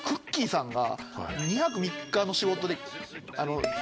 さんが。